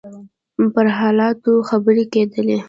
پر حالاتو خبرې کېدلې.